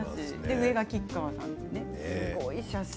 上が吉川さんですね。